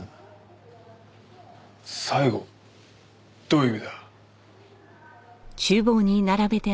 どういう意味だ？